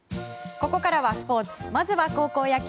ここからはスポーツまずは高校野球。